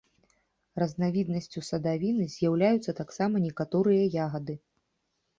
Разнавіднасцю садавіны з'яўляюцца таксама некаторыя ягады.